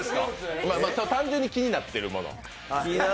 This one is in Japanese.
単純に気になってるもの。